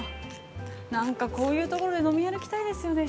なんか、こういうところで飲み歩きたいですよね